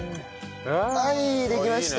はいできました。